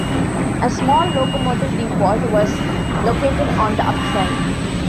A small locomotive depot was located on the up side.